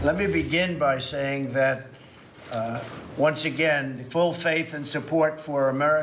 โอ้โฮเขาตั้งแต่ปล่อยไฟ